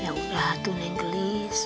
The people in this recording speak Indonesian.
ya udah tuh naenggelis